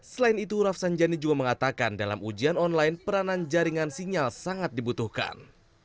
selain itu rafsanjani juga mengatakan dalam ujian online peranan jaringan sinyal sangat dibutuhkan